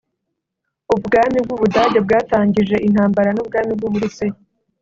ubwami bw’ubudage bwatangije intambara n’ubwami bw’uburusiya